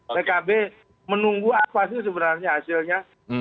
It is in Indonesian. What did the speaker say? pkb menunggu apa sih sebenarnya hasilnya